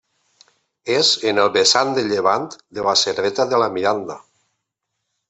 És en el vessant de llevant de la serreta de la Miranda.